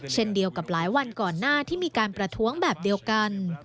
เช่นเดียวกับหลายวันก่อนหน้าที่มีการประท้วงแบบเดียวกัน